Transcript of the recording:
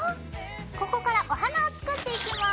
ここからお花を作っていきます。